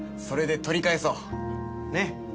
それで取り返そうねっ。